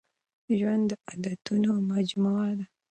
ژوند د عادتونو مجموعه ده.